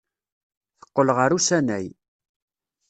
Teqqel ɣer usanay.